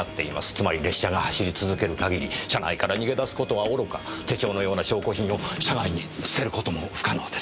つまり列車が走り続ける限り車内から逃げ出す事はおろか手帳のような証拠品を車外に捨てる事も不可能です。